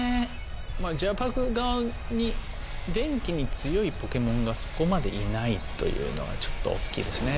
Ｊ．Ｙ．Ｐａｒｋ側にでんきに強いポケモンがそこまでいないというのがちょっと大きいですね。